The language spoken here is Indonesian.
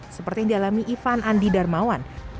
seperti yang dialami ivan andi darmawan